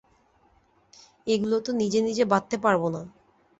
এগুলো তো নিজে নিজে বাঁধতে পারবো না।